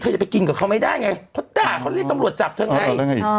เธอจะไปกินกับเขาไม่ได้ไงเขาตากเขาเรียกตำรวจจับเธอไงอ๋อแล้วไงอีก